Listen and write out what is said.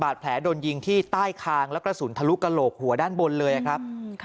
แผลโดนยิงที่ใต้คางแล้วกระสุนทะลุกระโหลกหัวด้านบนเลยครับ